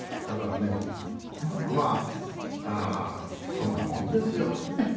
だからねまあそんなもんですよ。